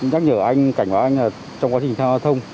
nhắc nhở anh cảnh báo anh là trong quá trình tham gia giao thông